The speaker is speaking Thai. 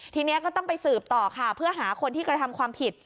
ทีนี้ก็ต้องไปสืบต่อค่ะเพื่อหาคนที่กระทำความผิด